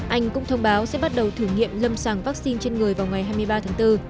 anh cũng thông báo sẽ bắt đầu thử nghiệm lâm sàng vaccine trên người vào ngày hai mươi ba tháng bốn